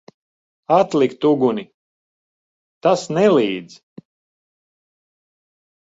Atlikt uguni! Tas nelīdz.